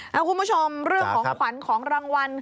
แล้วคุณผู้ชมเรื่องของขวัญของรางวัล